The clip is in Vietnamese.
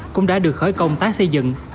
cũng đã được khởi công tác xây dựng